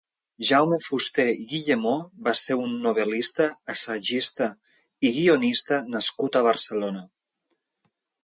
Jaume Fuster i Guillemó va ser un novel·lista, assagista i guionista nascut a Barcelona.